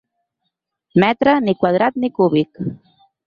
Metre ni quadrat ni cúbic.